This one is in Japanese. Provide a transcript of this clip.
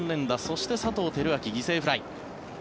そして佐藤輝明、犠牲フライ。